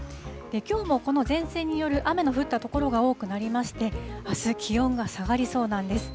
きょうもこの前線による雨の降った所が多くなりまして、あす、気温が下がりそうなんです。